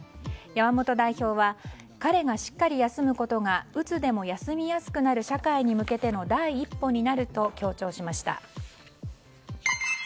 山本代表は彼がしっかり休むことがうつでも休みやすくなる社会に向けてのＰａｙＰａｙクーポンで！